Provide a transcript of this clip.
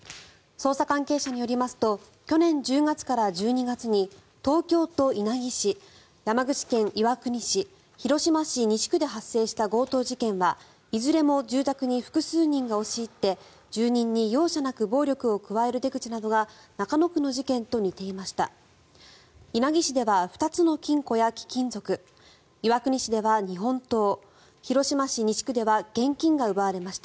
捜査関係者によりますと去年１０月から１２月に東京都稲城市、山口県岩国市広島市西区で発生した強盗事件はいずれも住宅に複数人が押し入って住人に容赦なく暴力を加える手口などが中野区の事件と似ていました。